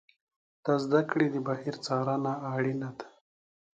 د زده کړې د بهیر څارنه اړینه ده.